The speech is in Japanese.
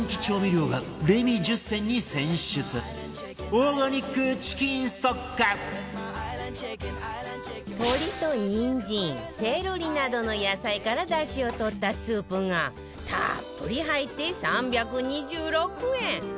オーガニックチキンストック鶏とにんじんセロリなどの野菜から出汁を取ったスープがたっぷり入って３２６円